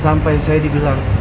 sampai saya dibilang